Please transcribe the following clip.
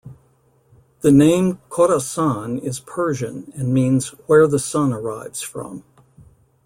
The name "Khorasan" is Persian and means "where the sun arrives from.